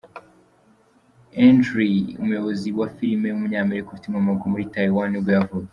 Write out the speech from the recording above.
Ang Lee, umuyobozi wa filime w’umunyamerika ufite inkomoko muri Taiwan nibwo yavutse.